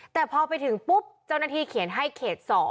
แต่พอไปถึงปุ๊บเจ้าหน้าที่เขียนให้เขต๒